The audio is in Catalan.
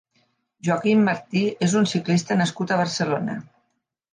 Joaquim Martí és un ciclista nascut a Barcelona.